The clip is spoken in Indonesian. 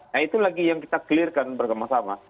nah itu lagi yang kita clear kan bersama sama